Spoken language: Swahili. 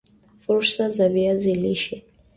Fursa za viazi lishe